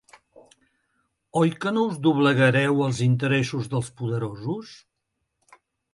Oi que no us doblegareu als interessos dels poderosos?